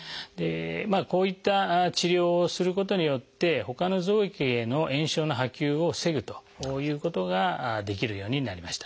こういった治療をすることによってほかの臓器への炎症の波及を防ぐということができるようになりました。